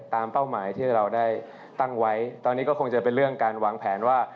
เป้าหมายที่เราได้ตั้งไว้ตอนนี้ก็คงจะเป็นเรื่องการวางแผนว่า